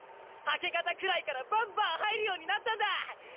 明け方くらいからバンバン入るようになったんだ！